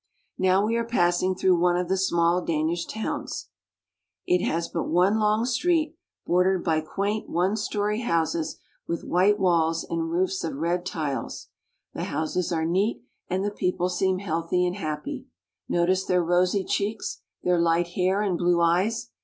Now we are passing through one of the small Danish towns. It has but one long street, bordered by quaint one Danish Milkman. THE LAND OF THE DANES. 1 63 story houses with white walls and roofs of red tiles. The houses are neat, and the people seem healthy and happy. Notice their rosy cheeks, their light hair and blue eyes!